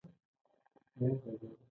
هر چا د خوب رګ یې ځانته معلوم کړی وي.